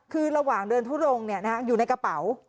คือระหว่างเดินทุดงอยู่ในกระเป๋า